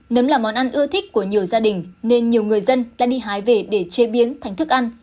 nấm là món ăn ưa thích của nhiều gia đình nên nhiều người dân đã đi hái về để chế biến thành thức ăn